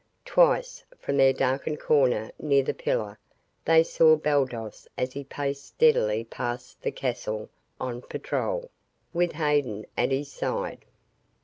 Twice, from their darkened corner near the pillar, they saw Baldos as he paced steadily past the castle on patrol, with Haddan at his side.